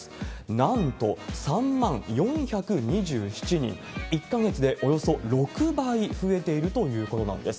なんと３万４２７人、１か月でおよそ６倍増えているということなんです。